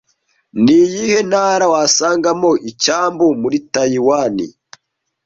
Ni iyihe ntara wasangamo Icyambu muri Tayiwani